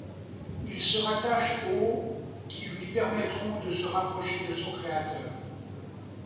Il se rattache aux qui lui permettront de se rapprocher de son Créateur.